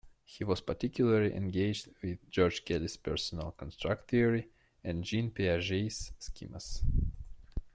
He was particularly engaged with George Kelly's personal construct theory and Jean Piaget's schemas.